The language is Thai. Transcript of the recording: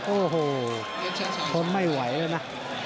โอ้โหทนไม่ไหวแล้วนะ